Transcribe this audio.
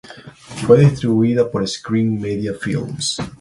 Fue distribuida por Screen Media Films.